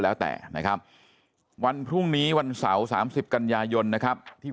แล้วแต่นะครับวันพรุ่งนี้วันเสาร์๓๐กันยายนนะครับที่